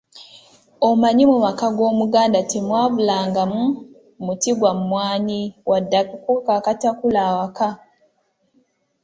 Omanyi mu maka g'Omuganda temwabulangamu muti gwa mmwanyi wadde akakoko akatakula awaka.